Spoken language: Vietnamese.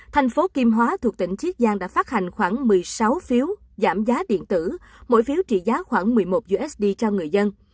thành phố kim hóa thuộc tỉnh chiết giang đã phát hành khoảng một mươi sáu phiếu giảm giá điện tử mỗi phiếu trị giá khoảng một mươi một usd cho người dân